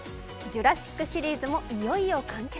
「ジュラシック」シリーズもいよいよ完結。